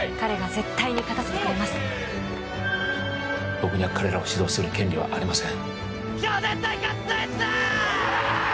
僕には彼らを指導する権利はありません。